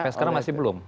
tapi sekarang masih belum